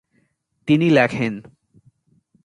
তিনি লেখেন-